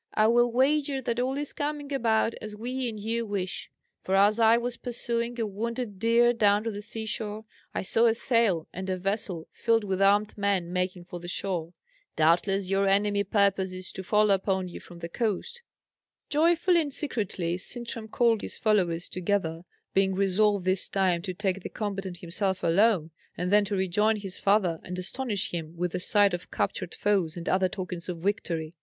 I will wager that all is coming about as we and you wish; for as I was pursuing a wounded deer down to the sea shore, I saw a sail and a vessel filled with armed men making for the shore. Doubtless your enemy purposes to fall upon you from the coast." Joyfully and secretly Sintram called all his followers together, being resolved this time to take the combat on himself alone, and then to rejoin his father, and astonish him with the sight of captured foes and other tokens of victory.